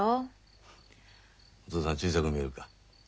お父さん小さく見えるか？